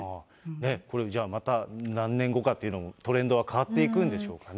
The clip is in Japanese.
これじゃあ、また何年後かというのも、トレンドは変わっていくんでしょうかね。